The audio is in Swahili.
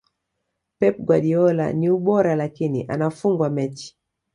pep guardiola niUbora lakini anafungwa mechi